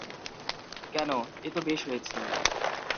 কেন, এ তো বেশ হয়েছে।